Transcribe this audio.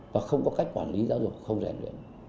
và không có cách quản lý giáo dục không rèn luyện